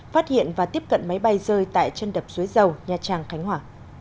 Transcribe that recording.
phát hiện và tiếp cận máy bay rơi tại chân đập dưới dầu nhà trang khánh hỏa